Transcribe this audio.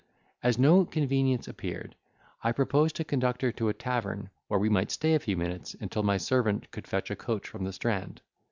As no convenience appeared, I proposed to conduct her to a tavern, where we might stay a few minutes, until my servant could fetch a coach from the Strand.